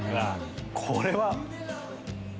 これは。